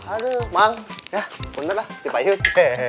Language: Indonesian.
aduh mang ya mundur lah cepat yuk